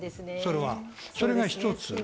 それが一つ。